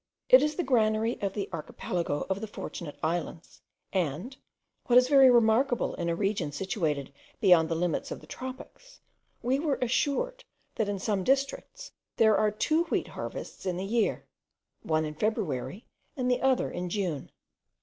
It is the granary of the archipelago of the Fortunate Islands; and, what is very remarkable in a region situated beyond the limits of the tropics, we were assured, that in some districts, there are two wheat harvests in the year; one in February, and the other in June.